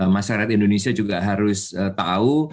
masyarakat indonesia juga harus tahu